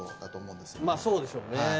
まあそうでしょうね。